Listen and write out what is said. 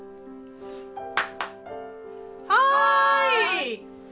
・はい！